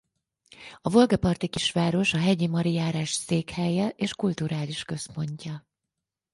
A Volga parti kisváros a Hegyi mari járás székhelye és kulturális központja.